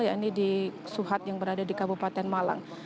yakni di suhat yang berada di kabupaten malang